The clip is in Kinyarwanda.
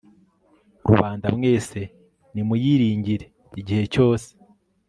rubanda mwese, nimuyiringire igihe cyose